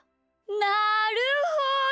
なるほど！